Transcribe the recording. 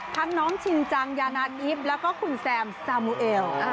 ทั้งน้องชินจังยาณาอิฟแล้วก็คุณแซมซามูเอล